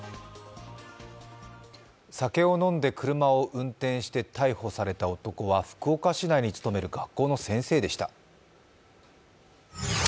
酒を飲んで車を運転して逮捕された男は福岡市内に勤める学校の先生でした。